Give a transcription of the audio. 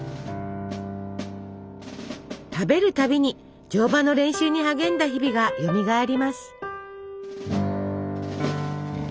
食べるたびに乗馬の練習に励んだ日々がよみがえります。